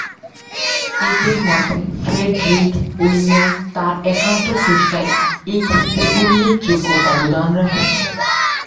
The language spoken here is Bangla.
এদের মধ্যে ফ্রেডরিখ উইলিয়াম তাঁর একান্ত চেষ্টায় এক্ষেত্রে উল্লেখযোগ্য অবদান রাখেন।